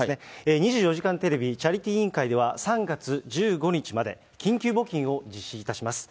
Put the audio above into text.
２４時間テレビチャリティー委員会では、３月１５日まで緊急募金を実施いたします。